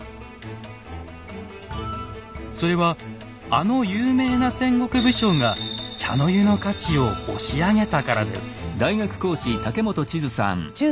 それはあの有名な戦国武将が茶の湯の価値を押し上げたからです。